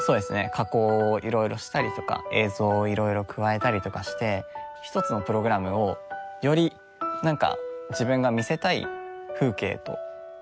加工を色々したりとか映像を色々加えたりとかして一つのプログラムをよりなんか自分が見せたい風景と重ねて。